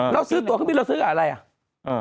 เราซื้อตัวขึ้นไปเราซื้อกับอะไรอ่ะ